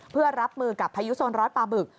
เพื่อรับมือกับพายุโซนร้อนปลาบึก